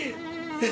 えっ！